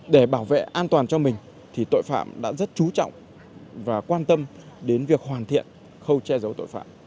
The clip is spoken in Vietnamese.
để bảo vệ an toàn cho mình thì tội phạm đã rất trú trọng và quan tâm đến việc hoàn thiện khâu che giấu tội phạm